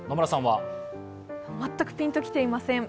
全くピンと来ていません。